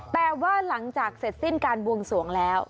แต่ว่าหลังจากเสร็จสิ้นการบวงสวงแล้ว